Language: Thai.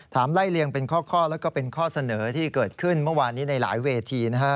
ไล่เลียงเป็นข้อแล้วก็เป็นข้อเสนอที่เกิดขึ้นเมื่อวานนี้ในหลายเวทีนะฮะ